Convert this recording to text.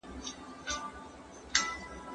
موږ باید د یووالي لپاره کار وکړو.